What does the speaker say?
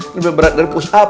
lebih berat dari push up